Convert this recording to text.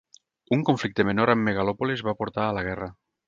Un conflicte menor amb Megalòpolis va portar a la guerra.